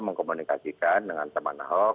mengkomunikasikan dengan teman hoax